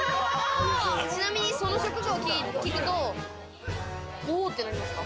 ちなみにその職業を聞くとお！ってなりますか？